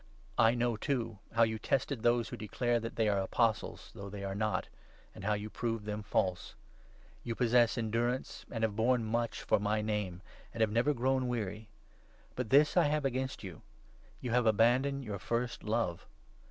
I know, too, how you tested those who declare that they are Apostles, though they are not, and how you proved them false. You possess endurance, and 3 have borne much for my Name, and have never grown weary. But this I have against you — You have abandoned your first 4 love.